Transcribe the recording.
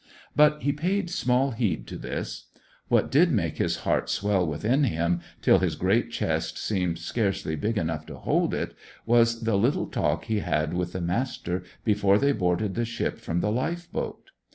But he paid small heed to this. What did make his heart swell within him, till his great chest seemed scarcely big enough to hold it, was the little talk he had with the Master before they boarded the ship from the lifeboat.